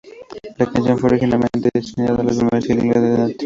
La canción fue originalmente destinada a ser el primer single de "Native".